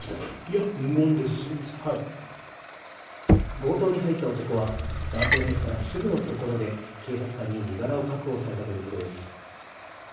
強盗に入った男は男性の家からすぐのところで、警察官に身柄を確保されたということです。